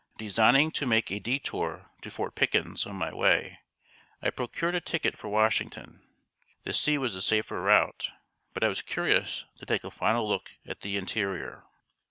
Designing to make a détour to Fort Pickens on my way, I procured a ticket for Washington. The sea was the safer route, but I was curious to take a final look at the interior.